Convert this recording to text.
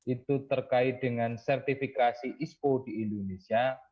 itu terkait dengan sertifikasi ispo di indonesia